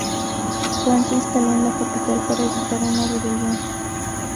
Juan se instaló en la capital para evitar una rebelión.